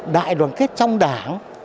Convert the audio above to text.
đại đoàn kết trong đảng